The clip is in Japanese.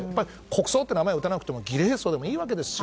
国葬って名前を打たなくても儀礼葬でもいいわけだし。